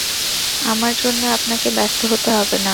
আমার জন্যে আপনাকে ব্যস্ত হতে হবে না।